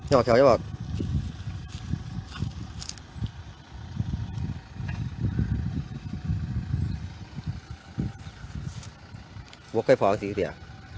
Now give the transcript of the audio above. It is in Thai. วอกคล้ายปอคเถอะสิเนี้ย